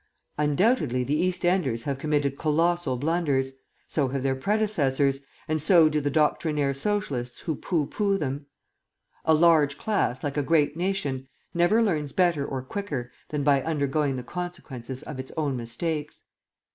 Undoubtedly, the East Enders have committed colossal blunders; so have their predecessors, and so do the doctrinaire Socialists who pooh pooh them. A large class, like a great nation, never learns better or quicker than by undergoing the consequences of its own mistakes.